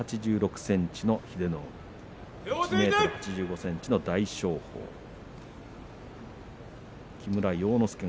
１８６ｃｍの英乃海１８５ｃｍの大翔鵬です。